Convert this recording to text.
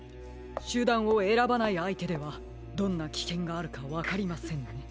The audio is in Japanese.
しゅだんをえらばないあいてではどんなきけんがあるかわかりませんね。